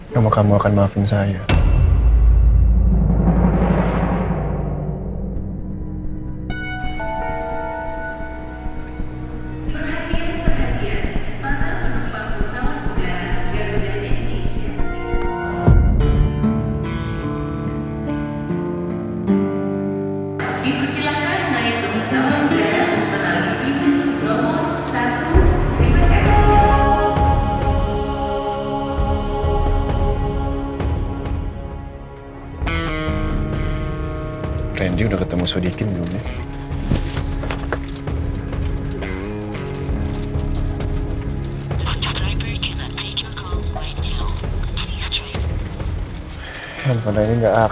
negara jawa tenggara indonesia